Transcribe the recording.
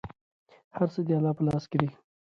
هر څه د الله په لاس کې دي.